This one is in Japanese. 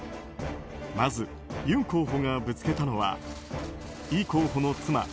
まずユン候補がぶつけたのはイ候補の妻